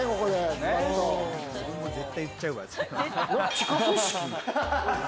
地下組織？